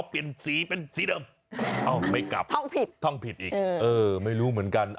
เออไม่รู้เหมือนกัน